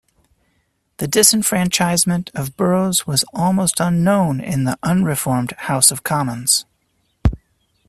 The disenfranchisement of boroughs was almost unknown in the unreformed House of Commons.